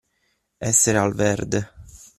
Essere al verde.